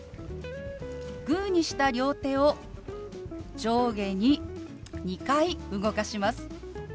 グーにした両手を上下に２回動かします。